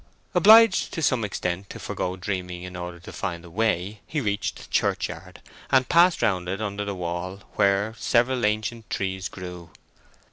Obliged, to some extent, to forgo dreaming in order to find the way, he reached the churchyard, and passed round it under the wall where several ancient trees grew.